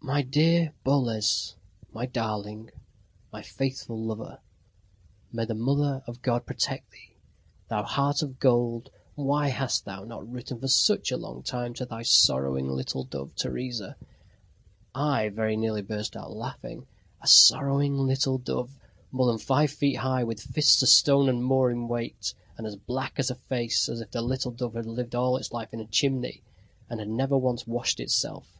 "My dear Boles ... my darling ... my faithful lover. May the Mother of God protect thee! Thou heart of gold, why hast thou not written for such a long time to thy sorrowing little dove, Teresa?" I very nearly burst out laughing. "A sorrowing little dove!" more than five feet high, with fists a stone and more in weight, and as black a face as if the little dove had lived all its life in a chimney, and had never once washed itself!